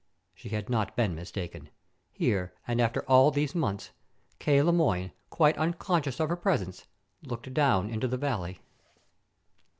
She had not been mistaken. Here, and after all these months! K. Le Moyne, quite unconscious of her presence, looked down into the valley.